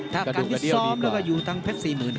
ถ้าการที่ซ้อมแล้วก็อยู่ทางเพชร๔๐น้ำเงิน